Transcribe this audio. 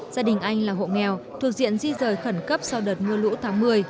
gia đình anh là hộ nghèo thuộc diện di rời khẩn cấp sau đợt mưa lũ tháng một mươi